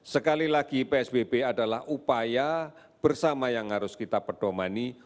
sekali lagi psbb adalah upaya bersama yang harus kita perdomani